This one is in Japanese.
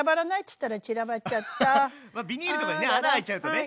あっまビニールとかにね穴開いちゃうとね。